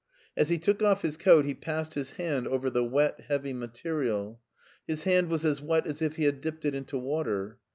As he took off his coat he passed his hand over the wet, heavy material. His hand was as wet as if he had dipped it into water.